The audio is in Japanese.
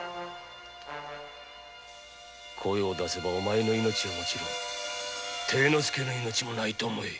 声を出したらお前の命はもちろん貞之介の命もないと思え！